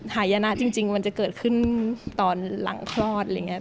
หายนะจริงมันจะเกิดขึ้นตอนหลังคลอดอะไรอย่างนี้